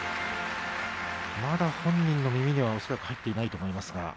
まだ本人の耳には恐らく入っていないと思いますが。